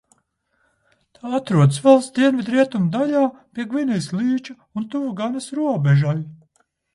Tā atrodas valsts dienvidrietumu daļā pie Gvinejas līča un tuvu Ganas robežai.